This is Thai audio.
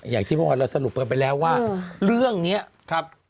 อย่างที่เมื่อวานเราสรุปกันไปแล้วว่าเรื่องนี้ครับ